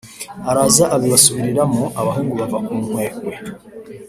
araza abibasubiriramo, abahungu bava ku nkwekwe